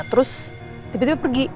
terus tiba tiba pergi